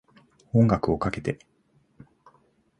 音楽をかけて